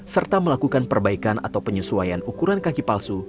serta melakukan perbaikan atau penyesuaian ukuran kaki palsu